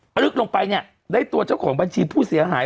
ลึกลงไปเนี่ยได้ตัวเจ้าของบัญชีผู้เสียหาย